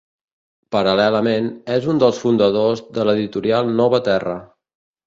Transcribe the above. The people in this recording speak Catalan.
Paral·lelament, és un dels fundadors de l'editorial Nova Terra.